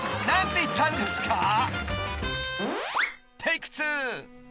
何て言ったんですか？］